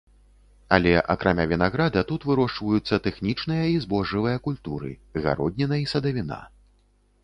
Але акрамя вінаграда, тут вырошчваюцца тэхнічныя і збожжавыя культуры, гародніна і садавіна.